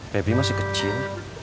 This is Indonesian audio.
pebri masih kecil